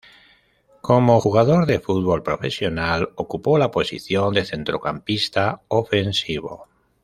Como jugador de fútbol profesional ocupó la posición de centrocampista ofensivo.